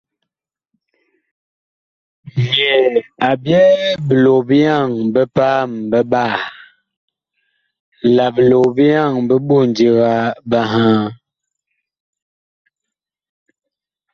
Yɛɛ a byɛɛ bilog-bi-yaŋ bi paam biɓaa la bilog-bi-yaŋ bi ɓondiga biŋhaa.